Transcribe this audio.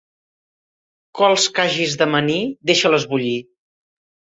Cols que hagis d'amanir, deixa-les bullir.